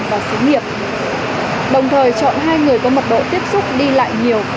và xí nghiệp đồng thời chọn hai người có mật độ tiếp xúc đi lại nhiều